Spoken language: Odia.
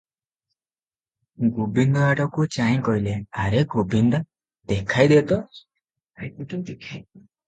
ଗୋବିନ୍ଦ ଆଡ଼କୁ ଚାହିଁ କହିଲେ, "ଆରେ ଗୋବିନ୍ଦା ଦେଖାଇ ଦେ ତ ।"